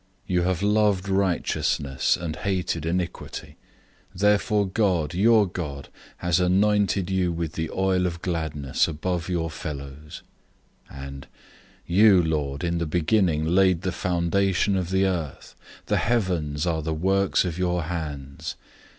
001:009 You have loved righteousness, and hated iniquity; therefore God, your God, has anointed you with the oil of gladness above your fellows."{Psalm 45:6 7} 001:010 And, "You, Lord, in the beginning, laid the foundation of the earth. The heavens are the works of your hands.